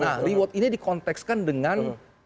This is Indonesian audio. nah reward ini dikontekskan dengan